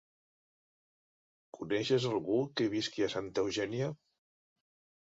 Coneixes algú que visqui a Santa Eugènia?